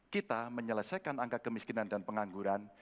kita menyelesaikan angka kemiskinan dan pengangguran